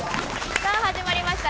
さあ始まりました